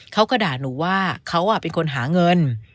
เขาก็ด่าหนูว่าเขาเป็นคนหาเงิน